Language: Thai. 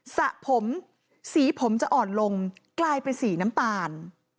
สระผมสีผมจะอ่อนลงกลายเป็นสีน้ำตาล